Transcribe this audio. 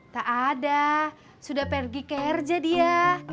tak ada sudah pergi kerja dia